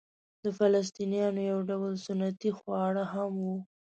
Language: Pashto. د فلسطنیانو یو ډول سنتي خواړه هم وو.